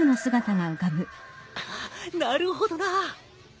なるほどな。